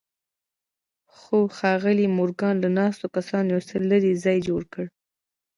خو ښاغلي مورګان له ناستو کسانو یو څه لرې ځای جوړ کړ